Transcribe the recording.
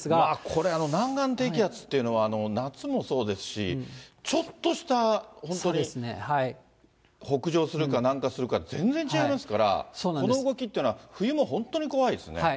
まあこれ、南岸低気圧っていうのは、夏もそうですし、ちょっとした本当に北上するかなんかするか、全然違いますから、この動きっていうのは、冬も本当に怖いですね。